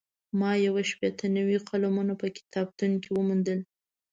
ما یو شپېته نوي قلمونه په کتابتون کې وموندل.